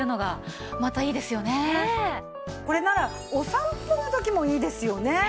これならお散歩の時もいいですよね。